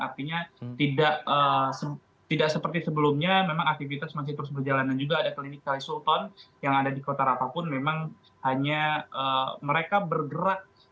artinya tidak seperti sebelumnya memang aktivitas masih terus berjalan dan juga ada klinik kali sultan yang ada di kota pun memang hanya mereka bergerak